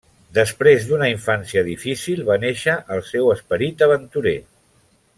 Després d'una infància difícil va néixer el seu esperit aventurer.